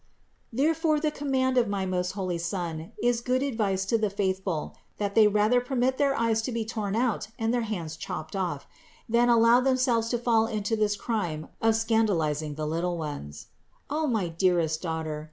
Therefore the command of my most holy Son is good advice to the faithful, that they rather per mit their eyes to be torn out and their hands chopped off, than allow themselves to fall into this crime of scandaliz ing the little ones. 417. O my dearest daughter!